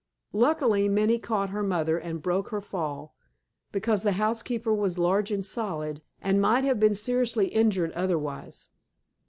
Luckily, Minnie caught her mother and broke her fall, because the housekeeper was large and solid, and might have been seriously injured otherwise.